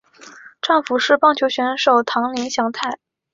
丈夫是棒球选手堂林翔太。